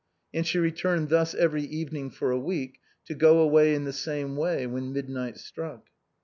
And she returned thus every evening for a week, to go away in the same way when midnight struck.